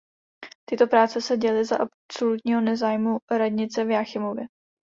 Tyto práce se děly za absolutního nezájmu radnice v Jáchymově.